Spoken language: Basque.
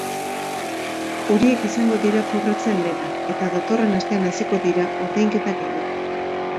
Horiek izango dira kobratzen lehenak, eta datorren astean hasiko dira ordainketak egiten.